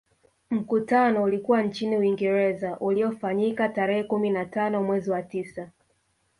Mkutano ulikuwa nchini Uingereza uliofanyika tarehe kumi na tano mwezi wa tisa